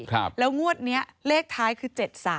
แล้วงวดนี้เลขท้ายคือ๗๓